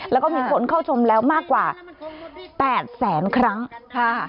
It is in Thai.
แล้วก็มีคนเข้าชมแล้วมากกว่า๘แสนครั้งค่ะ